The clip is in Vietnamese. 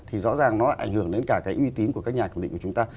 thì rõ ràng nó lại ảnh hưởng đến cả cái uy tín của các nhà kiểm định của chúng ta